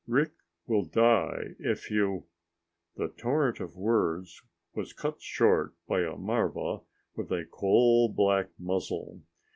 Rick will die if you " The torrent of words was cut short by a marva with a coal black muzzle.